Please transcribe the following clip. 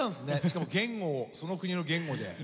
しかも言語をその国の言語で。